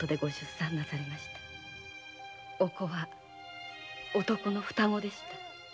お子は男の双子でした。